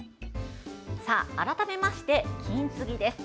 改めまして、金継ぎです。